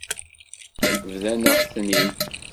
Bḍan-aɣ-ten-id.